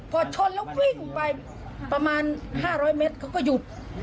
พอชนแล้ววิ่งไปประมาณ๕๐๐เมตรเขาก็หยุด